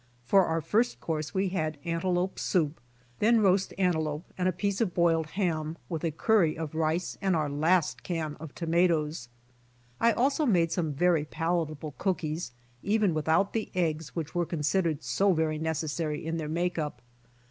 For our first course we had antelope soup, then roast antelope, and a piece of boiled ham with a curry of rice and our last can of tomatoes. I also made some very palatable cookies, even without the eggs which were considered so very necessary in their make up.